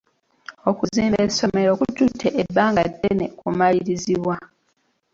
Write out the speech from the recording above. Okuzimba essomero kututte ebbanga ddene okumalirizibwa.